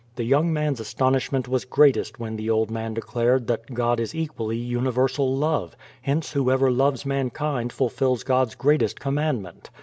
The young man's astonishment was greatest when the old man declared that God is equally universal love; hence whoever loves man kind fulfdls God's greatest commandment.